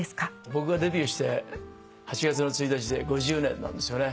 僕がデビューして８月の１日で５０年なんですよね。